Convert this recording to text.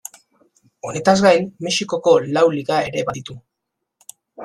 Honetaz gain Mexikoko lau liga ere baditu.